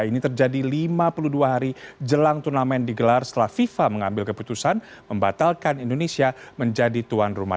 ini terjadi lima puluh dua hari jelang turnamen digelar setelah fifa mengambil keputusan membatalkan indonesia menjadi tuan rumah